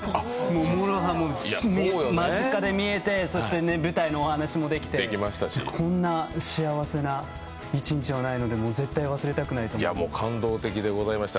ＭＯＲＯＨＡも間近で見れてそして舞台のお話もできて、こんな幸せな一日はないので絶対忘れたくないと思います。